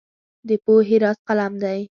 د پوهې راز قلم دی.